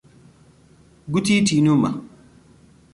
گوتی تینوومە.